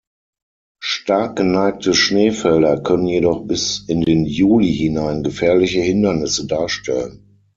Stark geneigte Schneefelder können jedoch bis in den Juli hinein gefährliche Hindernisse darstellen.